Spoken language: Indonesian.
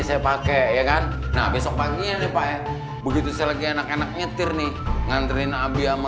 saya pakai ya kan nah besok paginya nih pak begitu saya lagi enak enak nyetir nih ngantriin abi sama